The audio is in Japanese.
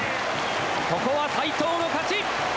ここは斎藤の勝ち！